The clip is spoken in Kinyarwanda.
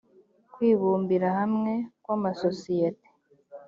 kwibumbira hamwe kw amasosiyete